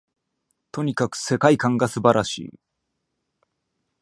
とにかく世界観が素晴らしい